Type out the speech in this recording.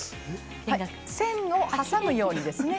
線を挟むようにですね。